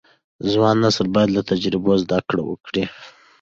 ځوان نسل باید له تجربو زده کړه وکړي.